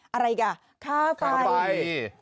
อะไรอีกอ่ะค่าไฟ